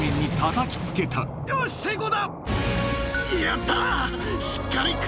やった！